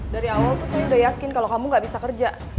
dari awal tuh saya udah yakin kalau kamu gak bisa kerja